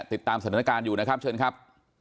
ติดตามสถานการณ์อยู่นะครับเชิญครับ